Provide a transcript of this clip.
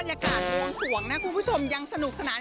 กับละครเรื่องจอนบ้านหน่อยปล่อยม้าทม